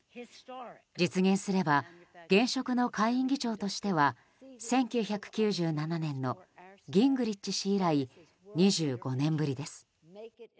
実現すれば現職の下院議長としては１９９７年のギングリッチ氏以来２５年ぶりです。